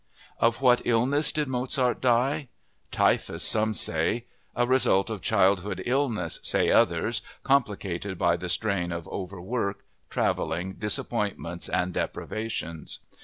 Of what illness did Mozart die? Typhus say some; a result of childhood illness, say others, complicated by the strain of overwork, traveling, disappointments, and deprivations.